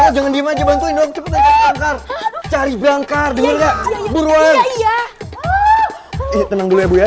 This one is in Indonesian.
jangan dimajukan cari bangkar buruan